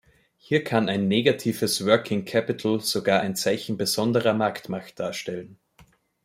Hier kann ein negatives "Working Capital" sogar ein Zeichen besonderer Marktmacht darstellen.